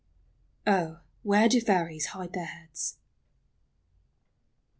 OH! WHERE DO FAIRIES HIDE THEIR HEADS